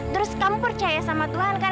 terus kamu percaya sama tuhan kan